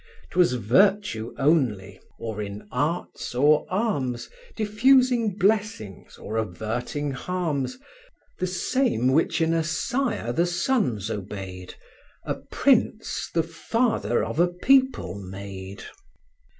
'Twas virtue only (or in arts or arms, Diffusing blessings, or averting harms) The same which in a sire the sons obeyed, A prince the father of a people made.